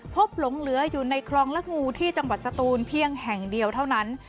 หลงเหลืออยู่ในคลองละงูที่จังหวัดสตูนเพียงแห่งเดียวเท่านั้น